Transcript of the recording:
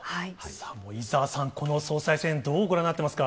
伊沢さん、この総裁選、どうご覧になってますか。